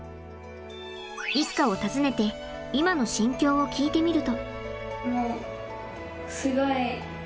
一家を訪ねて今の心境を聞いてみると。